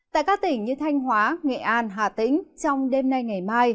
tại các tỉnh như thanh hóa nghệ an hà tĩnh trong đêm nay ngày mai